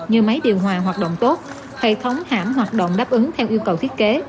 như máy điều hòa hoạt động tốt hệ thống hãng hoạt động đáp ứng theo yêu cầu thiết kế